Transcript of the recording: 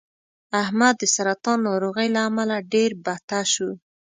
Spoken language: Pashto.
احمد د سرطان ناروغۍ له امله ډېر بته شو